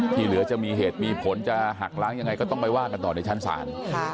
เหลือจะมีเหตุมีผลจะหักล้างยังไงก็ต้องไปว่ากันต่อในชั้นศาล